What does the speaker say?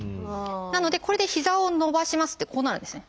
なのでこれで膝を伸ばしますってこうなるんですね。